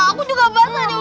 aku juga bahas aja ustaz